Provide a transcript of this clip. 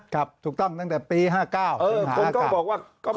ครับถูกต้องตั้งแต่ปี๕๙ถึงหาอากาศ